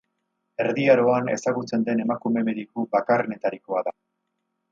Erdi Aroan ezagutzen den emakume mediku bakarrenetarikoa da.